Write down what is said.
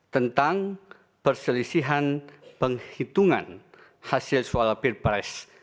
tentang perselisihan penghitungan hasil soal peer price dua ribu sembilan belas